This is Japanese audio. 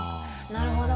なるほど。